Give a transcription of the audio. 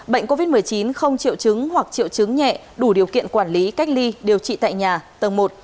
bệnh covid một mươi chín không triệu chứng hoặc triệu chứng nhẹ đủ điều kiện quản lý cách ly điều trị tại nhà tầng một